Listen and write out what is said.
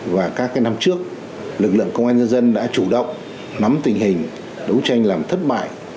và các năm trước lực lượng công an nhân dân đã chủ động nắm tình hình đấu tranh làm thất bại